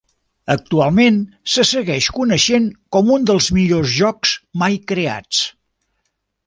Actualment se segueix coneixent com un dels millors jocs mai creats.